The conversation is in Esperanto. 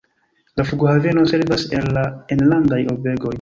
La flughaveno servas al la enlandaj urbegoj.